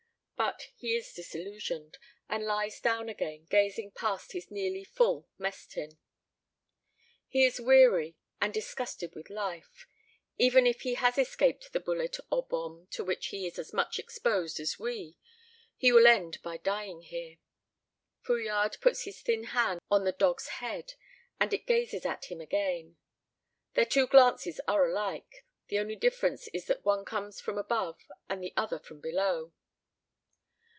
But he is disillusioned, and lies down again, gazing past his nearly full mess tin. He is weary, and disgusted with life. Even if he has escaped the bullet or bomb to which he is as much exposed as we, he will end by dying here. Fouillade puts his thin hand on the dog's head, and it gazes at him again. Their two glances are alike the only difference is that one comes from above and the other from below.